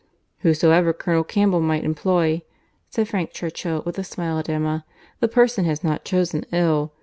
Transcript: "Whoever Colonel Campbell might employ," said Frank Churchill, with a smile at Emma, "the person has not chosen ill.